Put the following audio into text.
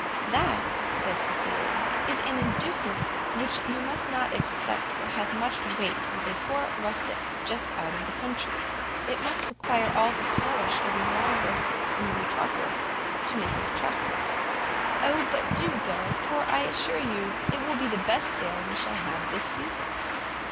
"That," said Cecilia, "is an inducement which you must not expect will have much weight with a poor rustic just out of the country: it must require all the polish of a long residence in the metropolis to make it attractive." "O but do go, for I assure you it will be the best sale we shall have this season.